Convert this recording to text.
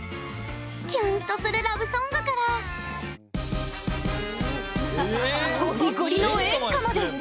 キュンとするラブソングからゴリゴリの演歌まで。